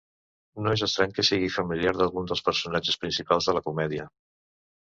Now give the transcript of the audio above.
No és estrany que sigui familiar d'algun dels personatges principals de la comèdia.